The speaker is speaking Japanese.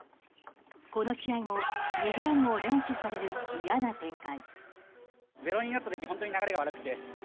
この試合も２ゲームを連取される嫌な展開。